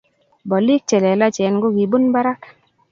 bolik chelelachen kokibun barak